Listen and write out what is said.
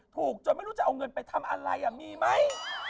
จนไม่รู้จะเอาเงินไปทำอะไรมีไหม